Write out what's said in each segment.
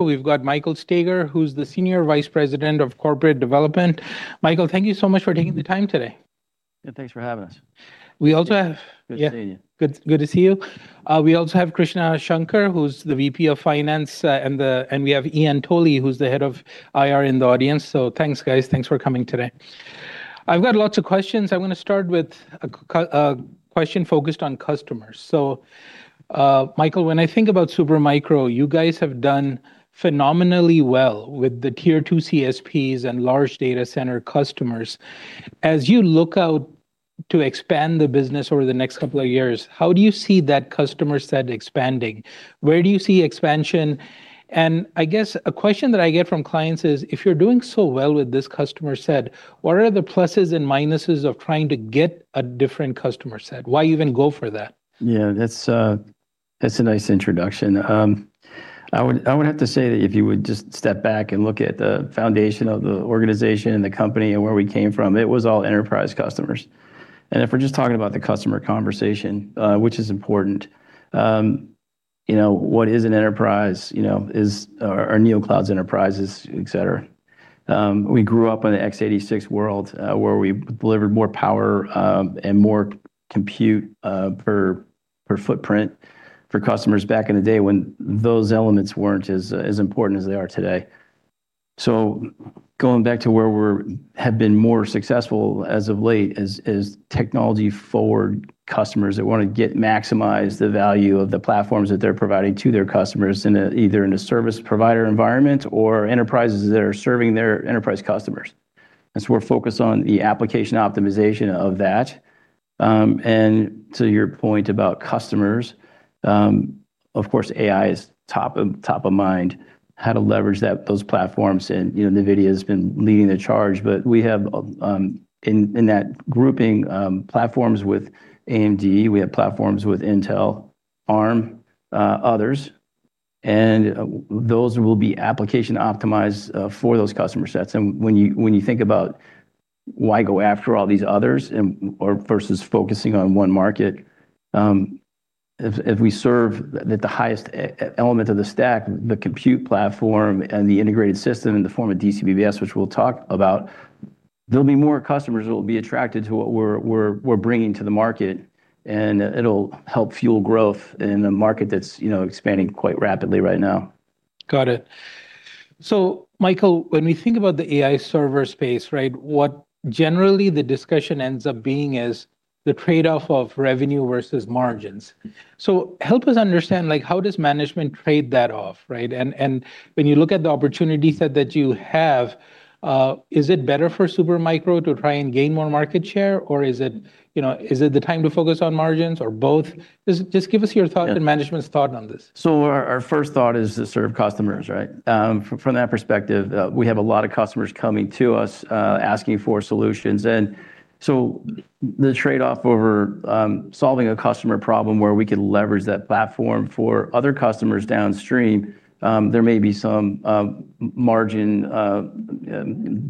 We've got Michael Staiger, who's the Senior Vice President of Corporate Development. Michael, thank you so much for taking the time today. Yeah, thanks for having us. We also have, Good to see you. Good to see you. We also have Krishna Shankar, who's the VP of Finance, and we have Ian Tolley, who's the head of IR in the audience. Thanks, guys. Thanks for coming today. I've got lots of questions. I want to start with a question focused on customers. Michael, when I think about Super Micro, you guys have done phenomenally well with the Tier 2 CSPs and large data center customers. As you look out to expand the business over the next couple of years, how do you see that customer set expanding? Where do you see expansion? I guess a question that I get from clients is, if you're doing so well with this customer set, what are the pluses and minuses of trying to get a different customer set? Why even go for that? Yeah, that's a nice introduction. I would have to say that if you would just step back and look at the foundation of the organization and the company and where we came from, it was all enterprise customers. If we're just talking about the customer conversation, which is important, what is an enterprise? Are Neoclouds enterprises, et cetera? We grew up in an x86 world, Where we delivered more power and more compute per footprint for customers back in the day when those elements weren't as important as they are today. Going back to where we have been more successful as of late is technology-forward customers that want to maximize the value of the platforms that they're providing to their customers, either in a service provider environment or enterprises that are serving their enterprise customers. We're focused on the application optimization of that. To your point about customers, of course, AI is top of mind, how to leverage those platforms, and NVIDIA has been leading the charge. We have in that grouping, platforms with AMD, we have platforms with Intel, Arm, others, and those will be application optimized for those customer sets. When you think about why go after all these others versus focusing on one market, if we serve at the highest element of the stack, the compute platform and the integrated system in the form of DCBBS, which we'll talk about, there'll be more customers that will be attracted to what we're bringing to the market, and it'll help fuel growth in a market that's expanding quite rapidly right now. Got it. Michael, when we think about the AI server space, right, what generally the discussion ends up being is the trade-off of revenue versus margins. Help us understand, how does management trade that off, right? When you look at the opportunity set that you have, is it better for Super Micro to try and gain more market share, or is it the time to focus on margins or both? Just give us your thought and management's thought on this. Our first thought is to serve customers, right? From that perspective, we have a lot of customers coming to us, asking for solutions. The trade-off over solving a customer problem where we could leverage that platform for other customers downstream, there may be some margin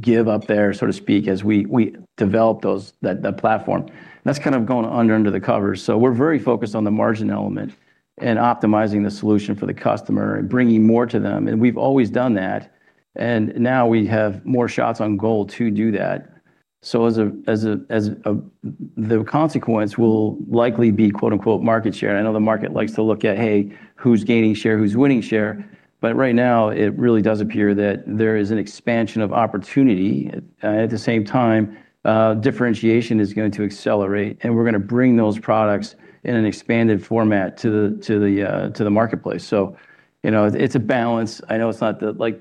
give up there, so to speak, as we develop that platform. That's going under the covers. We're very focused on the margin element and optimizing the solution for the customer and bringing more to them, and we've always done that. Now we have more shots on goal to do that. The consequence will likely be quote unquote, market share. I know the market likes to look at, hey, who's gaining share, who's winning share? Right now, it really does appear that there is an expansion of opportunity. At the same time, differentiation is going to accelerate, and we're going to bring those products in an expanded format to the marketplace. It's a balance. I know it's not like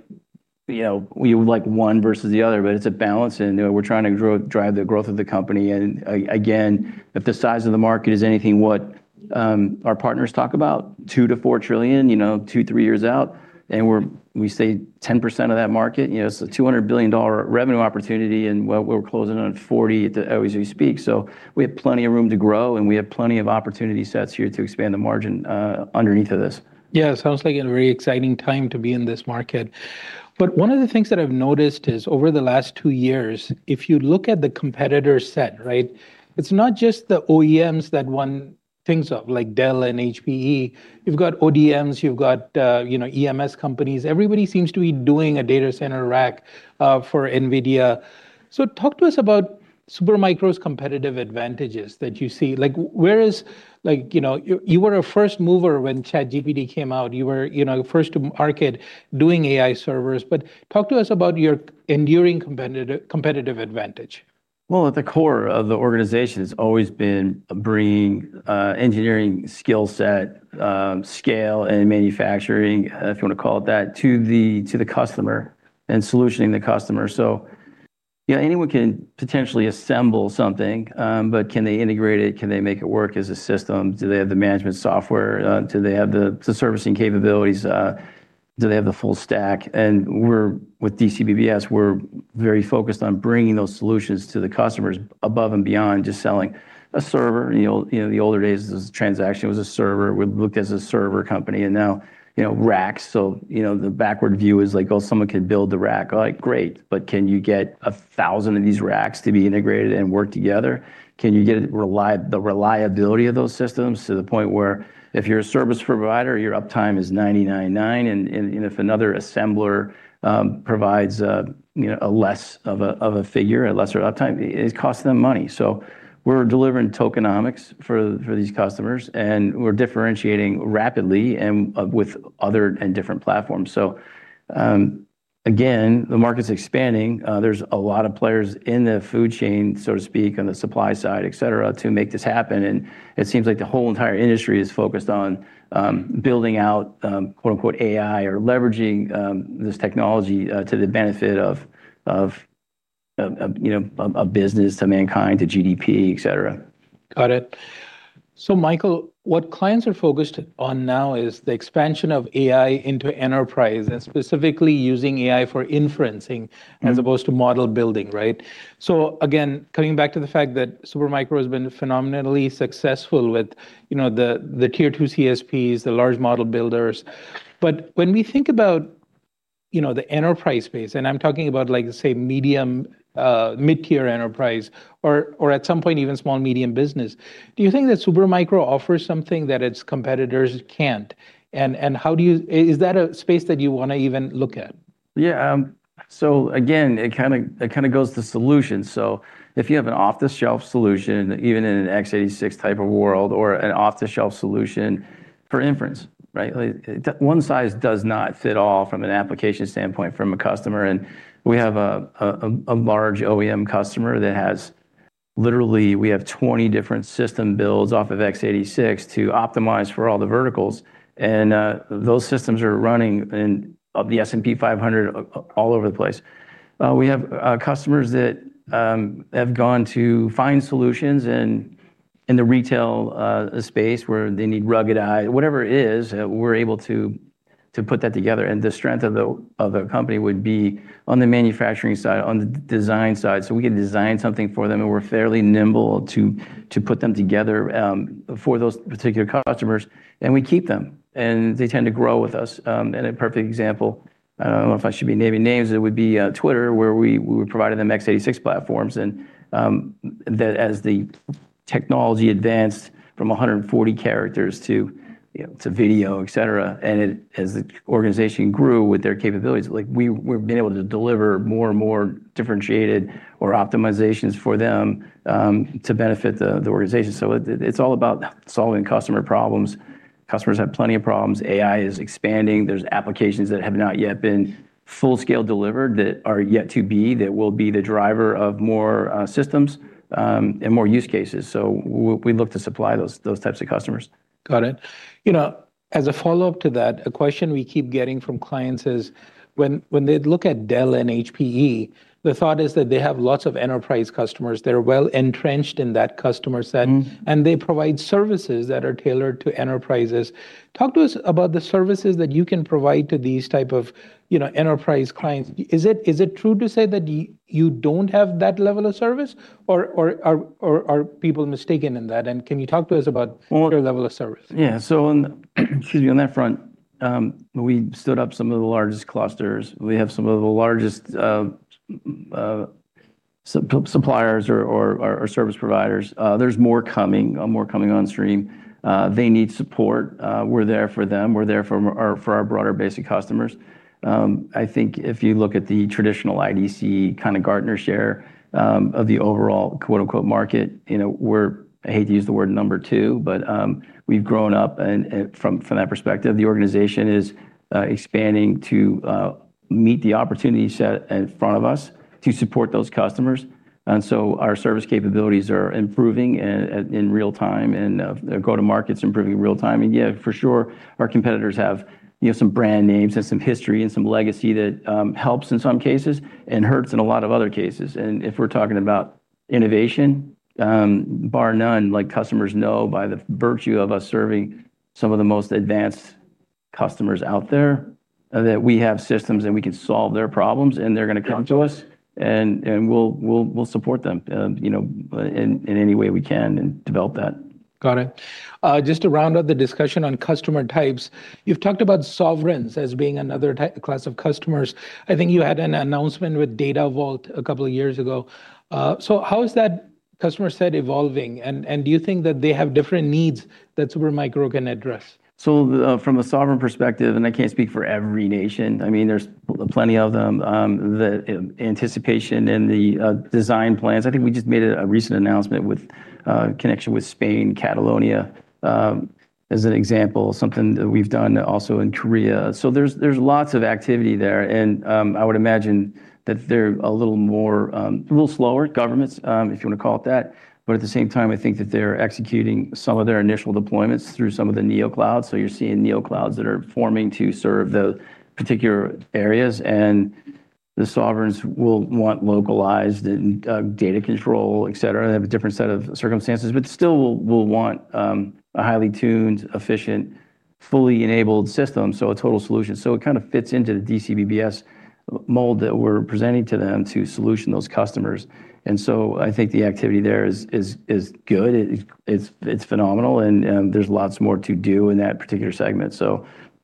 we would like one versus the other, but it's a balance and we're trying to drive the growth of the company. Again, if the size of the market is anything what our partners talk about, $2 trillion-$4 trillion, two, three years out, and we stay 10% of that market, it's a $200 billion revenue opportunity, and we're closing on $40 billion as we speak. We have plenty of room to grow, and we have plenty of opportunity sets here to expand the margin underneath of this. Yeah, it sounds like a very exciting time to be in this market. One of the things that I've noticed is over the last two years, if you look at the competitor set, right, it's not just the OEMs that one thinks of, like Dell and HPE. You've got ODMs, you've got EMS companies. Everybody seems to be doing a data center rack for NVIDIA. Talk to us about Super Micro's competitive advantages that you see. You were a first mover when ChatGPT came out. You were first to market doing AI servers. Talk to us about your enduring competitive advantage. At the core of the organization, it's always been bringing engineering skillset, scale, and manufacturing, if you want to call it that, to the customer and solutioning the customer. Yeah, anyone can potentially assemble something, but can they integrate it? Can they make it work as a system? Do they have the management software? Do they have the servicing capabilities? Do they have the full stack? With DCBBS, we're very focused on bringing those solutions to the customers above and beyond just selling a server. In the older days, this transaction was a server. We looked as a server company, and now racks. The backward view is like, oh, someone can build the rack. Great, but can you get 1,000 of these racks to be integrated and work together? Can you get the reliability of those systems to the point where if you're a service provider, your uptime is 99.9, and if another assembler provides a less of a figure, a lesser uptime, it costs them money. We're delivering tokenomics for these customers, and we're differentiating rapidly and with other and different platforms. Again, the market's expanding. There's a lot of players in the food chain, so to speak, on the supply side, et cetera, to make this happen. It seems like the whole entire industry is focused on building out quote, unquote, "AI" or leveraging this technology to the benefit of a business to mankind, to GDP, et cetera. Got it. Michael, what clients are focused on now is the expansion of AI into enterprise and specifically using AI for inferencing, As opposed to model building, right? Again, coming back to the fact that Super Micro has been phenomenally successful with the Tier 2 CSPs, the large model builders. When we think about the enterprise space, and I'm talking about like, say mid-tier enterprise or at some point even small/medium business, do you think that Super Micro offers something that its competitors can't? Is that a space that you want to even look at? Yeah. Again, it kind of goes to solutions. If you have an off-the-shelf solution, even in an x86 type of world or an off-the-shelf solution for inference, right? One size does not fit all from an application standpoint from a customer. We have a large OEM customer that has, literally we have 20 different system builds off of x86 to optimize for all the verticals. Those systems are running in the S&P 500 all over the place. We have customers that have gone to find solutions in the retail space where they need ruggedized, whatever it is, we're able to put that together. The strength of the company would be on the manufacturing side, on the design side. We can design something for them, and we're fairly nimble to put them together for those particular customers. We keep them, and they tend to grow with us. A perfect example, I don't know if I should be naming names, it would be Twitter, where we provided them x86 platforms and that as the technology advanced from 140 characters to video, et cetera, and as the organization grew with their capabilities, we've been able to deliver more and more differentiated or optimizations for them, to benefit the organization. It's all about solving customer problems. Customers have plenty of problems. AI is expanding. There's applications that have not yet been full scale delivered that are yet to be, that will be the driver of more systems, and more use cases. We look to supply those types of customers. Got it. As a follow-up to that, a question we keep getting from clients is, when they look at Dell and HPE, the thought is that they have lots of enterprise customers, they're well-entrenched in that customer set. They provide services that are tailored to enterprises. Talk to us about the services that you can provide to these type of enterprise clients. Is it true to say that you don't have that level of service? Are people mistaken in that, and can you talk to us about your level of service? On excuse me, on that front, we stood up some of the largest clusters. We have some of the largest suppliers or service providers. There's more coming on stream. They need support. We're there for them. We're there for our broader basic customers. I think if you look at the traditional IDC kind of Gartner share of the overall, quote, unquote, "market," we're, I hate to use the word number two, but we've grown up from that perspective. The organization is expanding to meet the opportunity set in front of us to support those customers. Our service capabilities are improving in real-time and go-to-market's improving real time. Yeah, for sure, our competitors have some brand names and some history and some legacy that helps in some cases and hurts in a lot of other cases. If we're talking about innovation, bar none, like customers know by the virtue of us serving some of the most advanced customers out there, that we have systems and we can solve their problems, and they're going to come to us, and we'll support them in any way we can and develop that. Got it. Just to round out the discussion on customer types, you've talked about sovereigns as being another class of customers. I think you had an announcement with DataVolt a couple of years ago. How is that customer set evolving? Do you think that they have different needs that Super Micro can address? From a sovereign perspective, and I can't speak for every nation, there's plenty of them, the anticipation and the design plans. I think we just made a recent announcement with connection with Spain, Catalonia. As an example, something that we've done also in Korea. There's lots of activity there and I would imagine that they're a little slower governments, if you want to call it that. At the same time, I think that they're executing some of their initial deployments through some of the Neoclouds. You're seeing Neoclouds that are forming to serve the particular areas. The sovereigns will want localized and data control, et cetera. They have a different set of circumstances, but still will want a highly tuned, efficient, fully enabled system, so a total solution. It kind of fits into the DCBBS mold that we're presenting to them to solution those customers. I think the activity there is good. It's phenomenal, and there's lots more to do in that particular segment.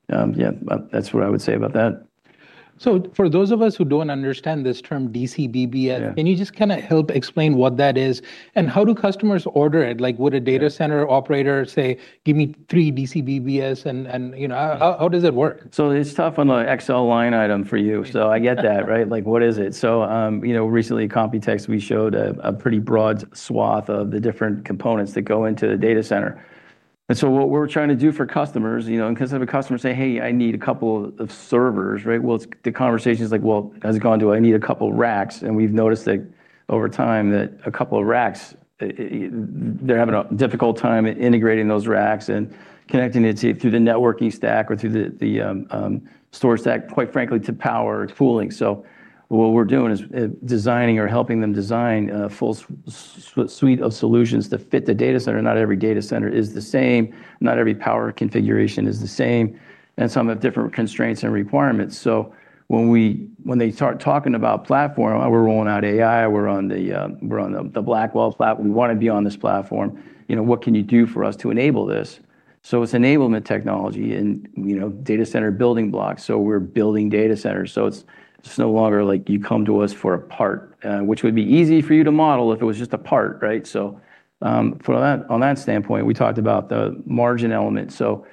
Yeah. That's what I would say about that. For those of us who don't understand this term DCBBS. Yeah. Can you just kind of help explain what that is, and how do customers order it? Like Yeah. A data center operator say "Give me three DCBBS," and how does it work? It's tough on the Excel line item for you, so I get that, right? Like, what is it? Recently at Computex, we showed a pretty broad swath of the different components that go into a data center. What we're trying to do for customers, because if a customer say, "Hey, I need a couple of servers," right? The conversation's like, well, has gone to, "I need a couple racks." We've noticed that over time that a couple of racks, they're having a difficult time integrating those racks and connecting it through the networking stack or through the storage stack, quite frankly, to power its pooling. What we're doing is designing or helping them design a full suite of solutions to fit the data center. Not every data center is the same, not every power configuration is the same, and some have different constraints and requirements. When they start talking about platform, "We're rolling out AI, we're on the Blackwell. We want to be on this platform. What can you do for us to enable this?" It's enablement technology and data center building blocks. We're building data centers. It's no longer like you come to us for a part, which would be easy for you to model if it was just a part, right? On that standpoint, we talked about the margin element, so.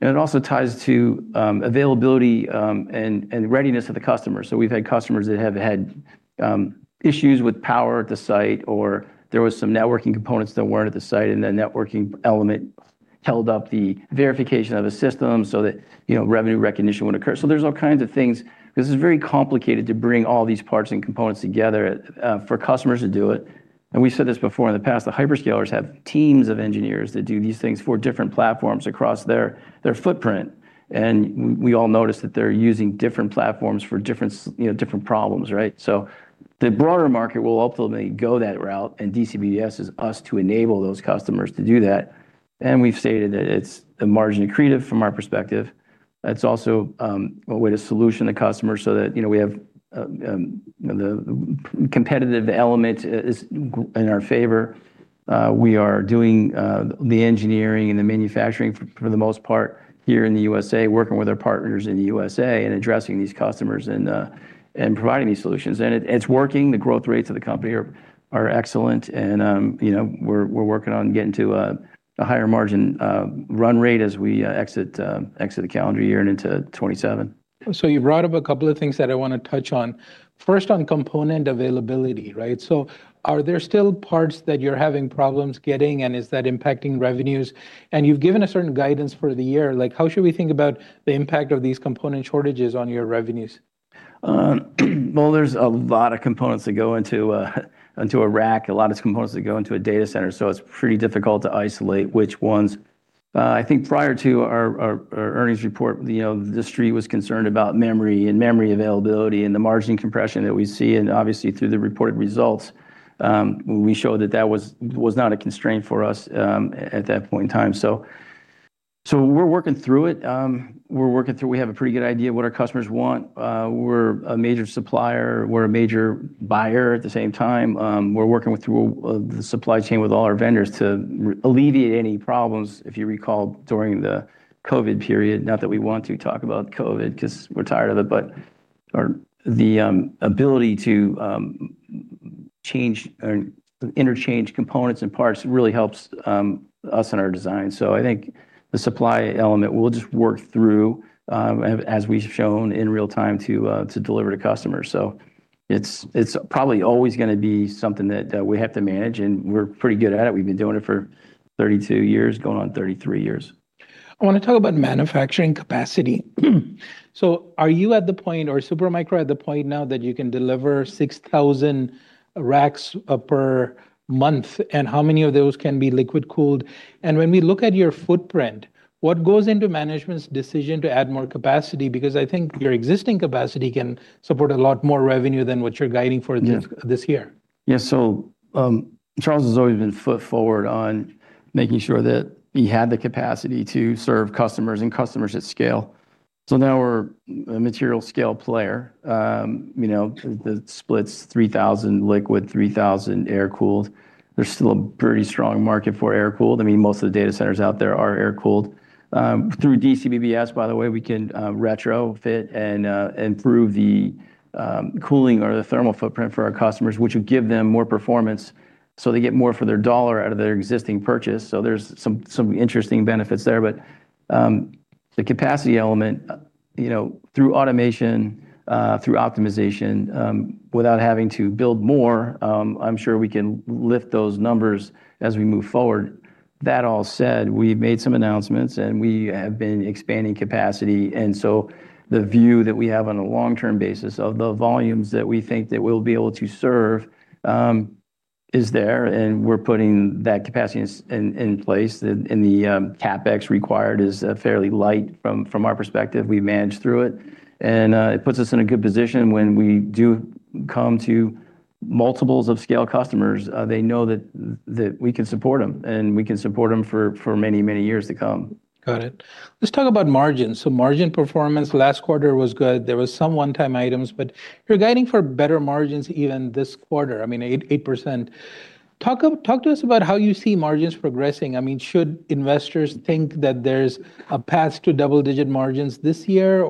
It also ties to availability and readiness of the customer. We've had customers that have had issues with power at the site, or there was some networking components that weren't at the site, and the networking element held up the verification of the system so that revenue recognition wouldn't occur. There's all kinds of things. It's very complicated to bring all these parts and components together for customers to do it. We've said this before in the past, the hyperscalers have teams of engineers that do these things for different platforms across their footprint. We all notice that they're using different platforms for different problems, right? The broader market will ultimately go that route, and DCBBS is us to enable those customers to do that. We've stated that it's margin accretive from our perspective. That's also a way to solution the customer so that the competitive element is in our favor. We are doing the engineering and the manufacturing for the most part here in the U.S.A., working with our partners in the U.S.A., addressing these customers and providing these solutions. It's working. The growth rates of the company are excellent and we're working on getting to a higher margin run rate as we exit the calendar year and into 2027. You've brought up a couple of things that I want to touch on. First, on component availability, right? Are there still parts that you're having problems getting, and is that impacting revenues? You've given a certain guidance for the year, like how should we think about the impact of these component shortages on your revenues? Well, there's a lot of components that go into a rack, a lot of components that go into a data center, so it's pretty difficult to isolate which ones. I think prior to our earnings report, the street was concerned about memory and memory availability and the margin compression that we see. Obviously, through the reported results, we showed that that was not a constraint for us at that point in time. We're working through it. We have a pretty good idea of what our customers want. We're a major supplier, we're a major buyer at the same time. We're working through the supply chain with all our vendors to alleviate any problems, if you recall, during the COVID period. Not that we want to talk about COVID because we're tired of it. The ability to interchange components and parts really helps us in our design. I think the supply element we'll just work through, as we've shown in real time to deliver to customers. It's probably always going to be something that we have to manage, and we're pretty good at it. We've been doing it for 32 years, going on 33 years. I want to talk about manufacturing capacity. Are you at the point, or is Super Micro at the point now that you can deliver 6,000 racks per month, and how many of those can be liquid-cooled? When we look at your footprint, what goes into management's decision to add more capacity? I think your existing capacity can support a lot more revenue than what you're guiding for this year. Charles has always been foot forward on making sure that he had the capacity to serve customers, and customers at scale. The split's 3,000 liquid, 3,000 air-cooled. There's still a pretty strong market for air-cooled. I mean, most of the data centers out there are air-cooled. Through DCBBS, by the way, we can retrofit and improve the cooling or the thermal footprint for our customers, Which would give them more performance, so they get more for their dollar out of their existing purchase. There's some interesting benefits there. The capacity element, through automation, through optimization, without having to build more, I'm sure we can lift those numbers as we move forward. That all said, we've made some announcements, and we have been expanding capacity. The view that we have on a long-term basis of the volumes that we think that we'll be able to serve is there, and we're putting that capacity in place. The CapEx required is fairly light from our perspective. We manage through it, and it puts us in a good position when we do come to multiples of scale customers, they know that we can support them, and we can support them for many, many years to come. Got it. Let's talk about margins. Margin performance last quarter was good. There was some one-time items, but you're guiding for better margins even this quarter, I mean, 8%. Talk to us about how you see margins progressing. Should investors think that there's a path to double-digit margins this year?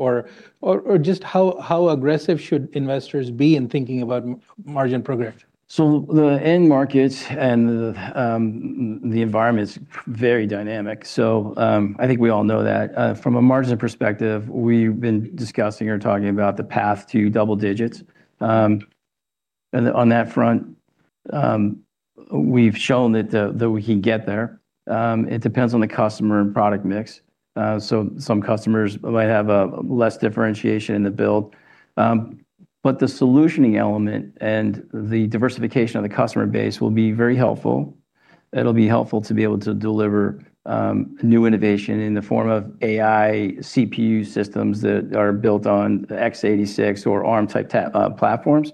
Just how aggressive should investors be in thinking about margin progression? The end markets and the environment's very dynamic. I think we all know that. From a margin perspective, we've been discussing or talking about the path to double digits. On that front, we've shown that we can get there. It depends on the customer and product mix. Some customers might have less differentiation in the build. The solutioning element and the diversification of the customer base will be very helpful. It'll be helpful to be able to deliver new innovation in the form of AI CPU systems that are built on x86 or Arm-type platforms,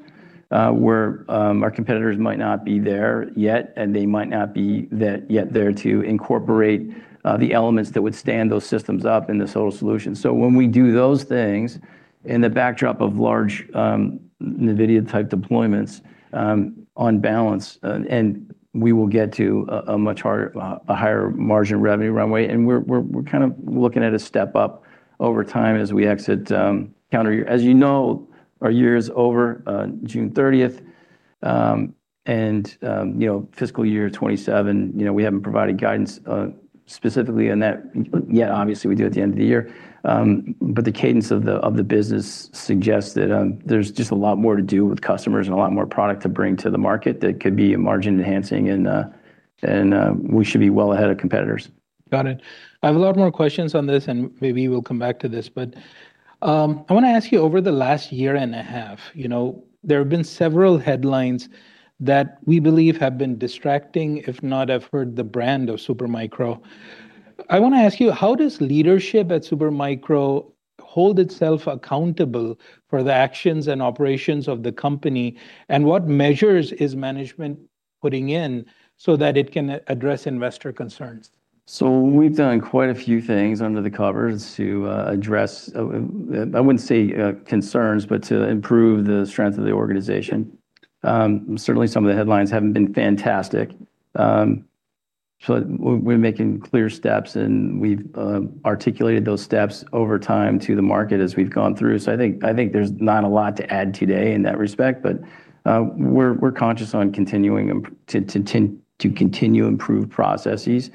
where our competitors might not be there yet, and they might not be yet there to incorporate the elements that would stand those systems up in this whole solution. When we do those things in the backdrop of large NVIDIA-type deployments on balance, and we will get to a much higher margin revenue runway. We're looking at a step-up over time as we exit calendar year. As you know, our year is over on June 30th. Fiscal year 2027, we haven't provided guidance specifically on that yet. Obviously, we do at the end of the year. The cadence of the business suggests that there's just a lot more to do with customers and a lot more product to bring to the market that could be margin-enhancing and we should be well ahead of competitors. Got it. I have a lot more questions on this, and maybe we'll come back to this. I want to ask you, over the last year and a half, there have been several headlines that we believe have been distracting, if not affect the brand of Super Micro. I want to ask you, how does leadership at Super Micro hold itself accountable for the actions and operations of the company? What measures is management putting in so that it can address investor concerns? We've done quite a few things under the covers to address, I wouldn't say concerns, but to improve the strength of the organization. Certainly, some of the headlines haven't been fantastic. We're making clear steps, and we've articulated those steps over time to the market as we've gone through. I think there's not a lot to add today in that respect, but we're conscious on continuing to continue improved processes.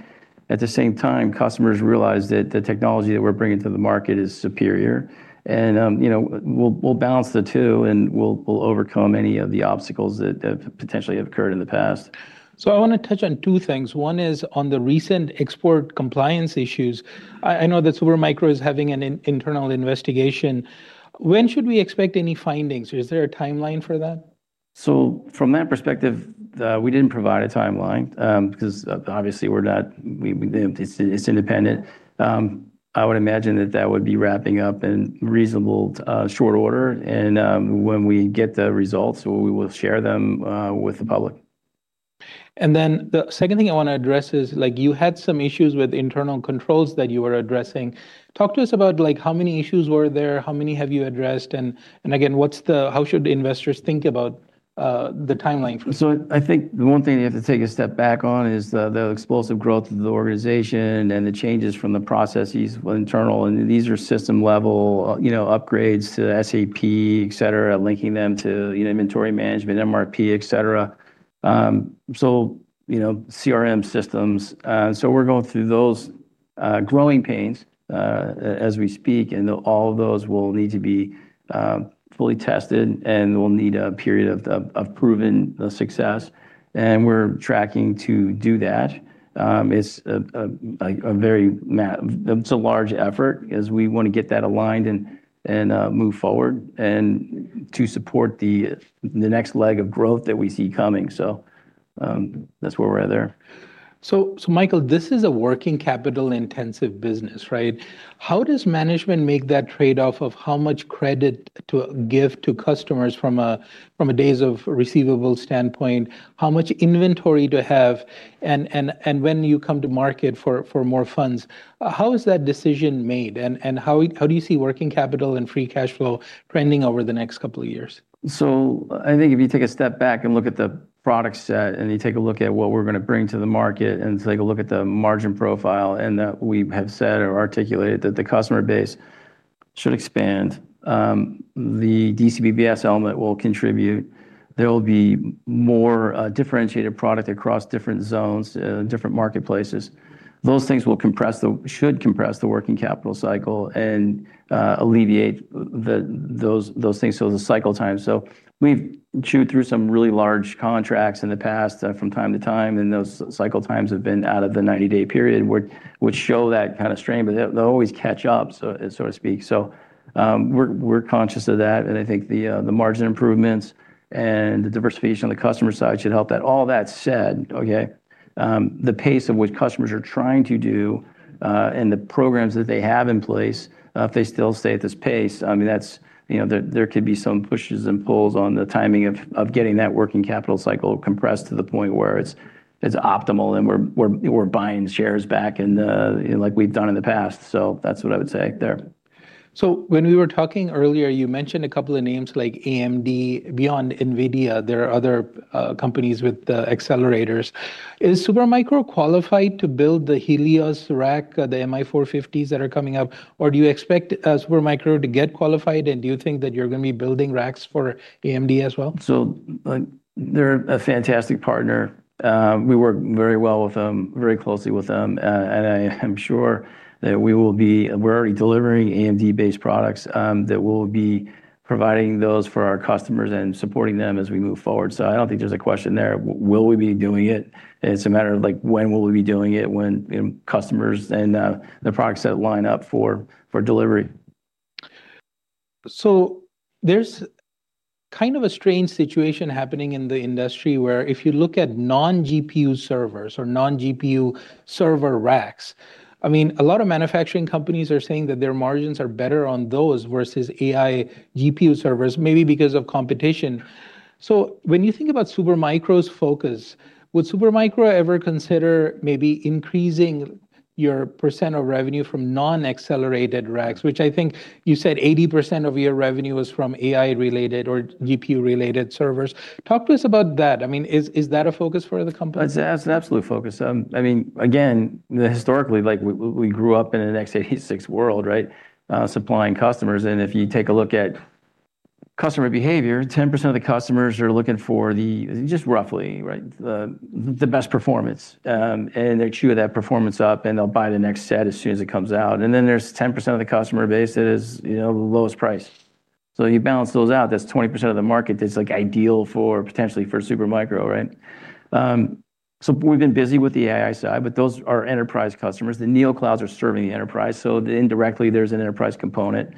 At the same time, customers realize that the technology that we're bringing to the market is superior. We'll balance the two, and we'll overcome any of the obstacles that have potentially occurred in the past. I want to touch on two things. One is on the recent export compliance issues. I know that Super Micro is having an internal investigation. When should we expect any findings, or is there a timeline for that? From that perspective, we didn't provide a timeline, because obviously it's independent. I would imagine that that would be wrapping up in reasonable short order. When we get the results, we will share them with the public. The second thing I want to address is, you had some issues with internal controls that you were addressing. Talk to us about how many issues were there, how many have you addressed, and again, how should investors think about the timeline? I think the one thing you have to take a step back on is the explosive growth of the organization and the changes from the processes, internal, and these are system-level upgrades to SAP, et cetera, linking them to inventory management, MRP, et cetera. CRM systems. We're going through those growing pains as we speak, and all of those will need to be fully tested, and we'll need a period of proven success. We're tracking to do that. It's a large effort as we want to get that aligned and move forward, and to support the next leg of growth that we see coming. That's where we're at there. Michael, this is a working capital-intensive business, right? How does management make that trade-off of how much credit to give to customers from a days of receivable standpoint, how much inventory to have, and when you come to market for more funds, how is that decision made, and how do you see working capital and free cash flow trending over the next couple of years? I think if you take a step back and look at the product set, and you take a look at what we're going to bring to the market, and take a look at the margin profile, and that we have said or articulated that the customer base should expand. The DCBBS element will contribute. There will be more differentiated product across different zones, different marketplaces. Those things should compress the working capital cycle and alleviate those things, so the cycle time. We've chewed through some really large contracts in the past from time to time, and those cycle times have been out of the 90-day period, which show that kind of strain, but they'll always catch up, so to speak. We're conscious of that, and I think the margin improvements and the diversification on the customer side should help that. All that said, The pace at which customers are trying to do and the programs that they have in place, if they still stay at this pace, there could be some pushes and pulls on the timing of getting that working capital cycle compressed to the point where it's optimal and we're buying shares back like we've done in the past. That's what I would say there. When we were talking earlier, you mentioned a couple of names like AMD. Beyond NVIDIA, there are other companies with accelerators. Is Super Micro qualified to build the Helios rack, the MI450s that are coming up, or do you expect Super Micro to get qualified, and do you think that you're going to be building racks for AMD as well? They're a fantastic partner. We work very well with them, very closely with them. I am sure that we're already delivering AMD-based products that we'll be providing those for our customers and supporting them as we move forward. I don't think there's a question there. Will we be doing it? It's a matter of when will we be doing it, when customers and the products that line up for delivery. There's kind of a strange situation happening in the industry where if you look at non-GPU servers or non-GPU server racks, a lot of manufacturing companies are saying that their margins are better on those versus AI GPU servers, maybe because of competition. When you think about Super Micro's focus, would Super Micro ever consider maybe increasing your % of revenue from non-accelerated racks? Which I think you said 80% of your revenue is from AI-related or GPU-related servers. Talk to us about that. Is that a focus for the company? That's an absolute focus. Historically, we grew up in an x86 world, right? Supplying customers, if you take a look at customer behavior, 10% of the customers are looking for the, just roughly, right, the best performance. They chew that performance up and they'll buy the next set as soon as it comes out. Then there's 10% of the customer base that is the lowest price. You balance those out, that's 20% of the market that's ideal potentially for Super Micro, right? We've been busy with the AI side, but those are enterprise customers. The Neoclouds are serving the enterprise, indirectly there's an enterprise component.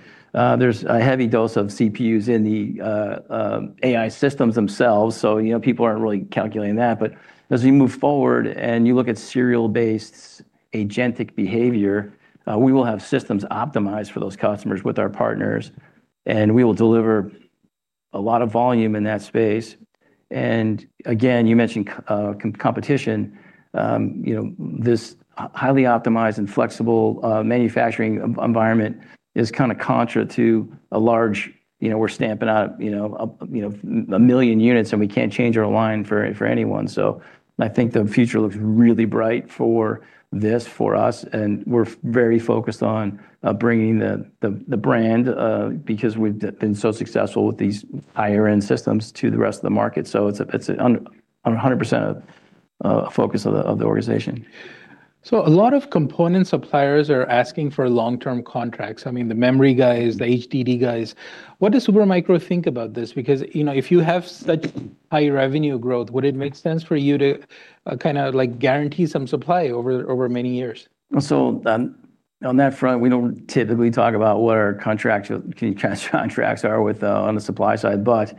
There's a heavy dose of CPUs in the AI systems themselves, people aren't really calculating that. As we move forward and you look at serial-based agentic behavior, we will have systems optimized for those customers with our partners, and we will deliver a lot of volume in that space. Again, you mentioned competition. This highly optimized and flexible manufacturing environment is kind of contra to a large, we're stamping out 1 million units, and we can't change our line for anyone. I think the future looks really bright for this, for us, and we're very focused on bringing the brand, because we've been so successful with these higher-end systems, to the rest of the market. It's 100% focus of the organization. A lot of component suppliers are asking for long-term contracts. The memory guys, the HDD guys. What does Super Micro think about this? Because if you have such high revenue growth, would it make sense for you to guarantee some supply over many years? On that front, we don't typically talk about what our contracts are on the supply side, but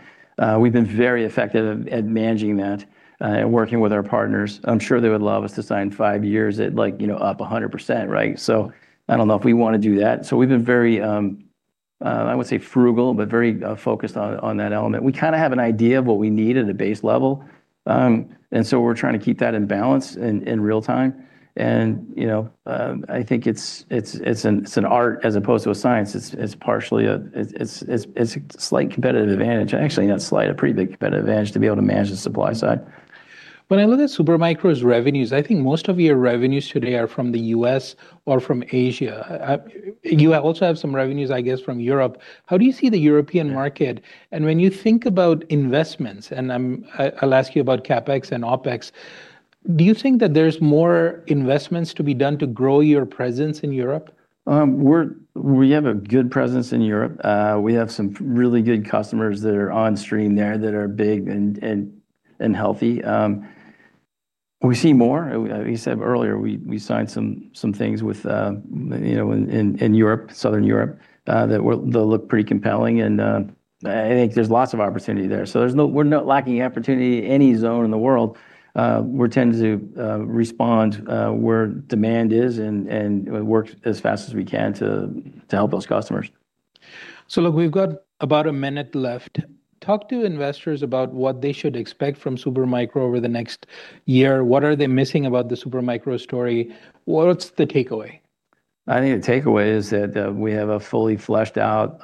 we've been very effective at managing that and working with our partners. I'm sure they would love us to sign five years at up 100%, right. I don't know if we want to do that. We've been very, I would say frugal, but very focused on that element. We kind of have an idea of what we need at a base level. We're trying to keep that in balance in real time. I think it's an art as opposed to a science. It's a slight competitive advantage. Actually, not slight, a pretty big competitive advantage to be able to manage the supply side. When I look at Super Micro's revenues, I think most of your revenues today are from the U.S. or from Asia. You also have some revenues, I guess, from Europe. How do you see the European market? When you think about investments, and I'll ask you about CapEx and OpEx, do you think that there's more investments to be done to grow your presence in Europe? We have a good presence in Europe. We have some really good customers that are on stream there that are big and healthy. We see more. As we said earlier, we signed some things in Europe, Southern Europe, that look pretty compelling. I think there's lots of opportunity there. We're not lacking opportunity any zone in the world. We tend to respond where demand is and work as fast as we can to help those customers. Look, we've got about a minute left. Talk to investors about what they should expect from Super Micro over the next year. What are they missing about the Super Micro story? What's the takeaway? I think the takeaway is that we have a fully fleshed out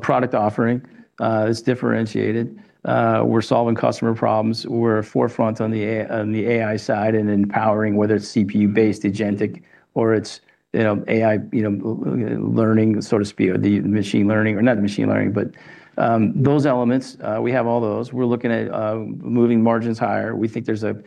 product offering that's differentiated. We're solving customer problems. We're forefront on the AI side and empowering, whether it's CPU-based agentic or it's AI learning, so to speak, or the machine learning. Those elements, we have all those. We're looking at moving margins higher. We think there's a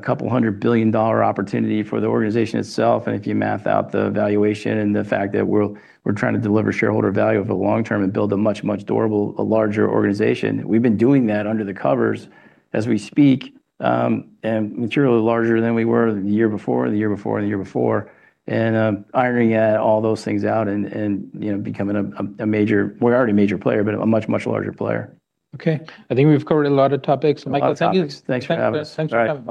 couple hundred billion dollar opportunity for the organization itself, and if you math out the valuation and the fact that we're trying to deliver shareholder value over the long term and build a much durable, a larger organization. We've been doing that under the covers as we speak, and materially larger than we were the year before and the year before and the year before. Ironing out all those things out and We're already a major player, but a much larger player. Okay. I think we've covered a lot of topics. Michael, thank you. Thanks for having us. Thanks for coming.